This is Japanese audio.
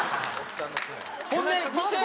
ほんで見て！